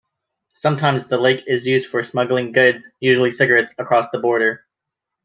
Sometimes the lake is used for smuggling goods, usually cigarettes, across the border.